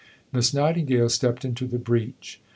Miss Nightingale stepped into the breach.